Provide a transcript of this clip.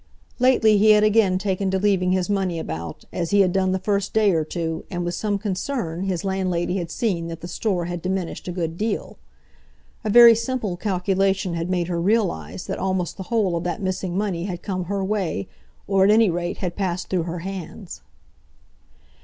Lately he had again taken to leaving his money about, as he had done the first day or two, and with some concern his landlady had seen that the store had diminished a good deal. A very simple calculation had made her realise that almost the whole of that missing money had come her way, or, at any rate, had passed through her hands.